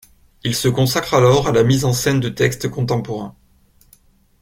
Il se consacre alors à la mise en scène de textes contemporains.